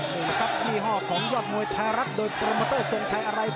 นี่ครับมีห้อของยอดมวยทารักโดยโปรเมอเตอร์เซินไทยอะไร